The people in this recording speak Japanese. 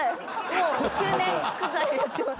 もう９年ぐらいやってます。